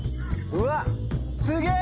うわすげえ！